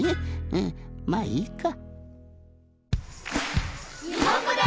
うんまあいいか。